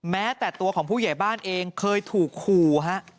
แม้แต่ตัวของผู้ใหญ่บ้านเองเคยถูกขู่ฮะ